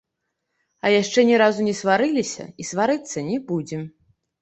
А яшчэ ні разу не сварыліся і сварыцца не будзем.